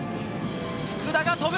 福田が飛ぶ！